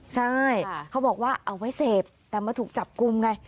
ใช่เขาบอกว่าเอาไว้เสพแต่มาถูกจับกลุ่มไง